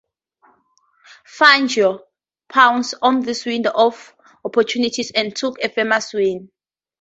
Fangio pounced on this window of opportunity and took a famous win.